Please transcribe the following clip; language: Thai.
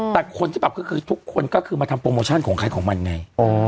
แต่คนที่ปรับก็คือทุกคนก็คือมาทำโปรโมชั่นของใครของมันไง